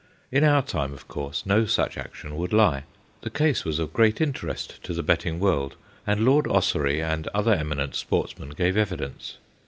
In our time, of course, no such action would lie. The case was of great interest to the betting world, and Lord Ossory and other eminent sportsmen gave evidence.